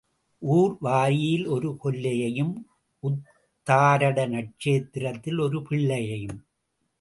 ஊர் வாரியில் ஒரு கொல்லையும் உத்தராட நட்சத்திரத்தில் ஒரு பிள்ளையும்.